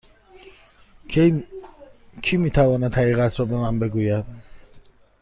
کی می تواند حقیقت را به من بگوید؟